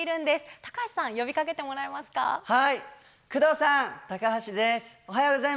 高橋さん、呼びかけてもらえますはい。